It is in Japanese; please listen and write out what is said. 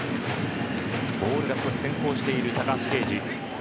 ボールが少し先行している高橋奎二。